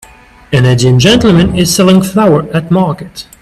An Asian gentlemen is selling flowers at market.